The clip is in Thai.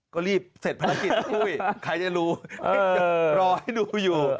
ก็รีบเสร็จภารกิจนะปุ้ยใครจะรู้รอให้ดูอยู่